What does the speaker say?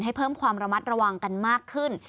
ให้เพิ่มความระมัดระวังกันมากขึ้น